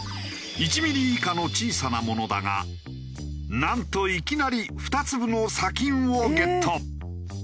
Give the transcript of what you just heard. １ミリ以下の小さなものだがなんといきなり２粒の砂金をゲット。